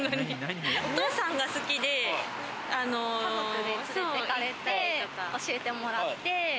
お父さんが好きで、家族で連れて行かれて、教えてもらって。